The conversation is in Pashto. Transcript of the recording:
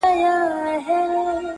o چي پيلان ساتې، دروازې به لوړي جوړوې.